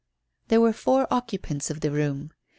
There were four occupants of the room.